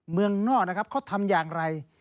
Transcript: เมืองนอกนะครับเขาทำอย่างไร